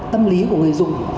tâm lý của người dùng